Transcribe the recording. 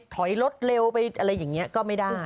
ถอยรถเร็วไปอะไรอย่างนี้ก็ไม่ได้